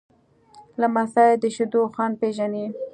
لمسی د شیدو خوند پیژني.